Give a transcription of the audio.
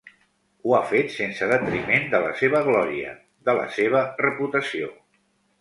Ho ha fet sense detriment de la seva glòria, de la seva reputació.